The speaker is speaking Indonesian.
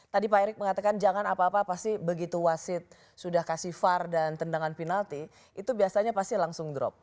tadi pak erick mengatakan jangan apa apa pasti begitu wasit sudah kasih var dan tendangan penalti itu biasanya pasti langsung drop